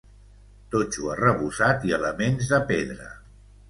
Totxo arrebossat i elements de pedra.